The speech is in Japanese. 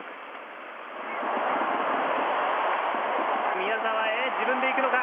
宮澤へ、自分でいくのか？